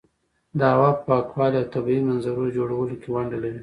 د هوا په پاکوالي او طبیعي منظرو جوړولو کې ونډه لري.